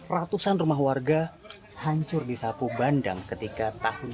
ratusan rumah warga hancur di sapu bandang ketika tahun